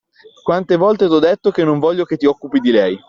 Quante volte t'ho detto che non voglio che ti occupi di lei.